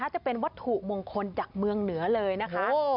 จะเป็นวัตถุมงคลจากเมืองเหนือเลยนะคะ